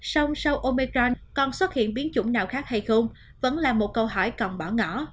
sau omicron còn xuất hiện biến chủng nào khác hay không vẫn là một câu hỏi còn bỏ ngỏ